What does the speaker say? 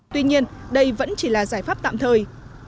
tuy nhiên đây vẫn chỉ là giải pháp tạm thời